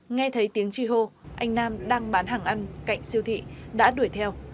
nghe thấy tiếng chi hô anh nam đang bán hàng ăn cạnh siêu thị đã đuổi theo